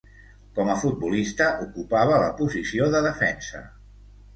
Com a futbolista ocupava la posició de defensa.